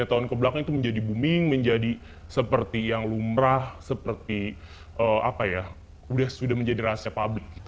tiga tahun kebelakang itu menjadi booming menjadi seperti yang lumrah seperti apa ya sudah menjadi rahasia publik